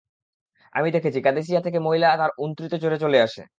আমি দেখেছি, কাদেসিয়া থেকে মহিলা তার উন্ত্রীতে চড়ে চলে আসে।